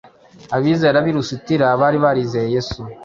abizera b’i Lusitira bari barizeye Yesu